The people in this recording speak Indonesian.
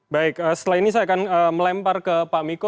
baik setelah ini saya akan melempar ke pak miko